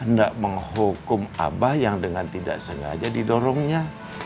tidak menghukum abah yang dengan tidak sengaja didorongnya